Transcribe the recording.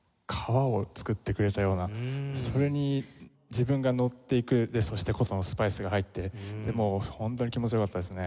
それに自分がのっていくそして箏のスパイスが入って本当に気持ち良かったですね。